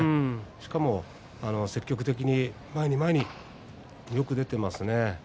しかも積極的に前に前によく出ています。